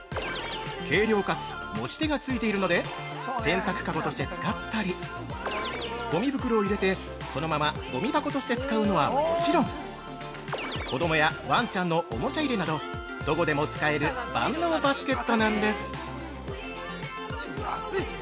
軽量かつ持ち手がついているので洗濯かごとして使ったり、ごみ袋を入れてそのままごみ箱として使うのはもちろん、子供やわんちゃんのおもちゃ入れなど、どこでも使える万能バスケットなんです！